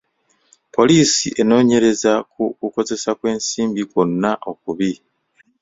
Poliisi enoonyereza ku kukozesa kw'ensimbi kwonna okubi.